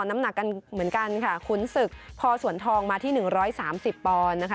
น้ำหนักกันเหมือนกันค่ะขุนศึกพอสวนทองมาที่๑๓๐ปอนด์นะคะ